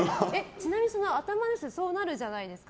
ちなみに、頭のいい人ってそうなるじゃないですか。